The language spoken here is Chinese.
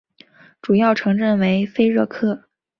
主要城镇为菲热克。